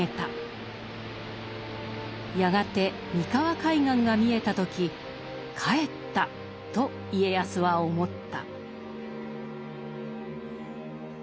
やがて三河海岸が見えた時「帰った」と家康は思った。